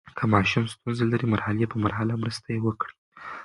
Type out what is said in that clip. که ماشوم ستونزه لري، مرحلې په مرحله مرسته یې وکړئ.